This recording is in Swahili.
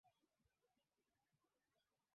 Hakuna mtu mwingine aliyeuawa mbali nae